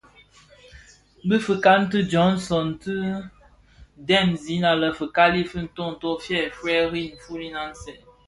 Bi dhikan di Johnson ti dhem zina lè fikali fi ntonto fi fyèri nfulèn aň sèè.